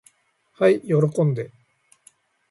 はい喜んで。